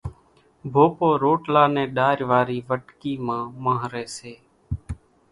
ڀوپو روٽلا نين ڏار واري وٽڪي مان مانھري سي